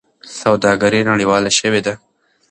سوداګري نړیواله شوې ده.